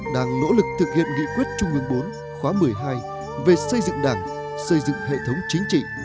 đang nỗ lực thực hiện nghị quyết trung ương bốn khóa một mươi hai về xây dựng đảng xây dựng hệ thống chính trị